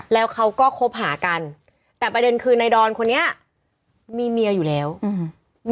แล้วเขาก็คบหากันแต่ประเด็นคือในดอนคนนี้มีเมียอยู่แล้วอืม